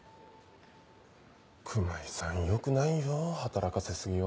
熊井さんよくないよ働かせ過ぎは。